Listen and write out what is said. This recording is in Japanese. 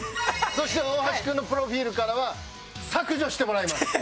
そして大橋君のプロフィールからは削除してもらいます。